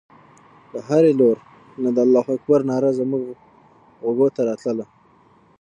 د هرې لور نه د الله اکبر ناره زموږ غوږو ته راتلله.